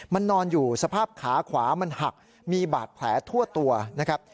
มันนอนอยู่สภาพขาขวามันหักมีบาดแผลทั่วตัวนะครับ